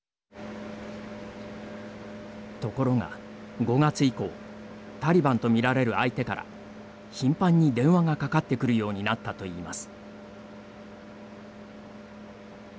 ところが５月以降タリバンとみられる相手から頻繁に電話がかかってくるようになったといいます。